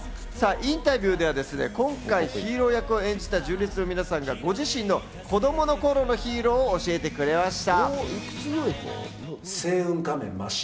インタビューでは今回、ヒーロー役を演じた純烈の皆さんがご自身の子供の頃のヒーローを教えてくれました。